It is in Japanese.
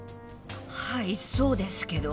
はいそうですけど。